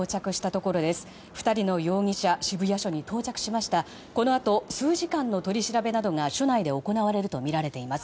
このあと数時間の取り調べなどが署内で行われるとみられています。